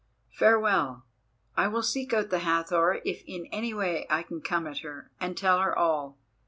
Farewell. I will seek out the Hathor if in any way I can come at her, and tell her all.